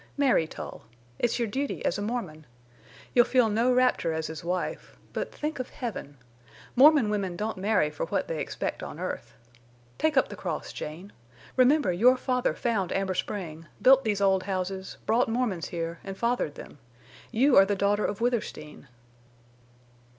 Marry Tull. It's your duty as a Mormon. You'll feel no rapture as his wife—but think of Heaven! Mormon women don't marry for what they expect on earth. Take up the cross, Jane. Remember your father found Amber Spring, built these old houses, brought Mormons here, and fathered them. You are the daughter of Withersteen!"